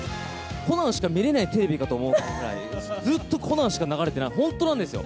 コナンしか見れないテレビかと思うくらい、ずっとコナンしか流れてない、本当なんですよ。